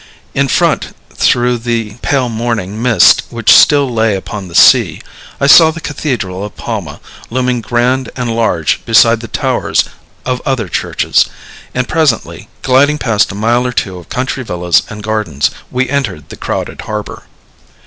In front, through the pale morning mist which still lay upon the sea, I saw the cathedral of Palma, looming grand and large beside the towers of other churches, and presently, gliding past a mile or two of country villas and gardens, we entered the crowded harbor.